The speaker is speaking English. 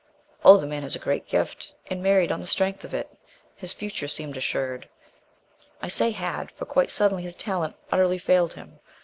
Oh, the man had a great gift, and married on the strength of it; his future seemed assured. I say 'had,' for quite suddenly his talent utterly failed him.